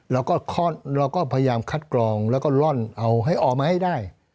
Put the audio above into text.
เราก็พยายามคัดกรองแล้วก็ล่อนเอาให้ออกมาให้ได้